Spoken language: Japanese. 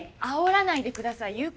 あおらないでください。